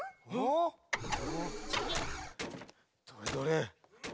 どれどれ？